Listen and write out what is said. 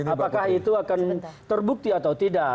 apakah itu akan terbukti atau tidak